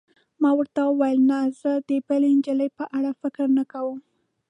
ما ورته وویل: نه، زه د بلې نجلۍ په اړه فکر نه کوم.